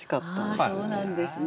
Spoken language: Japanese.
そうなんですね。